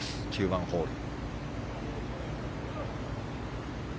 ９番ホール。